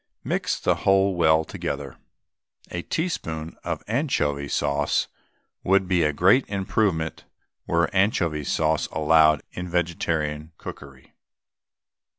Mix the whole well together. N.B. A teaspoonful of anchovy sauce would be a great improvement were anchovy sauce allowed in vegetarian cookery.